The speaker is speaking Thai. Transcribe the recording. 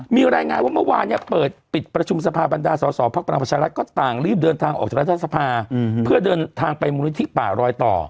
มีรายงานว่าเมื่อวานเนี่ยปิดประชุมสภาบันดาศสอบภักรณาประชารัฐก็ต่างรีบเดินทางออกจากราชสภาพื้อเดินทางไปบนวิทยาลักษณ์ป่ารอยต่อ